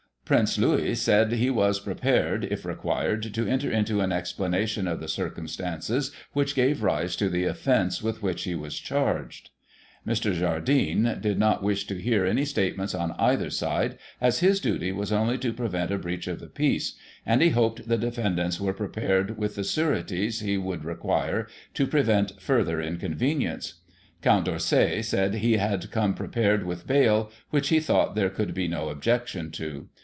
Prince Louis said, he was prepared, if required, to enter into an explanation of the circumstances which gave rise to the offence with which he was charged Mr. Jardine did not wish to hear any statement on either side, as his duty was only to prevent a breach of the peace, and he hoped the defendants were prepared with the sureties he would require, to prevent further inconvenience. Count D'Orsay said, he had come prepared with bail, which he thought there could be no objection to.